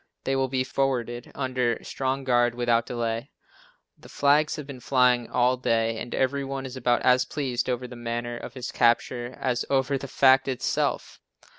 They will be forwarded under strong guard without delay." The flags have been flying all day, and every one is about as pleased over the manner of his capture as over the fact itself.